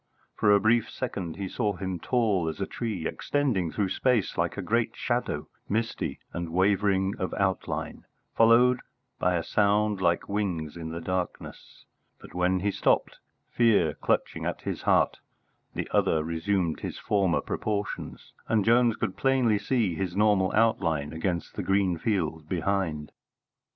For a brief second he saw him, tall as a tree, extending through space like a great shadow, misty and wavering of outline, followed by a sound like wings in the darkness; but, when he stopped, fear clutching at his heart, the other resumed his former proportions, and Jones could plainly see his normal outline against the green field behind.